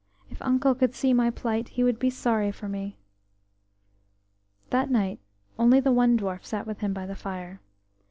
If uncle could see my plight, he would be sorry for me." That night only the one dwarf sat with him by the fire.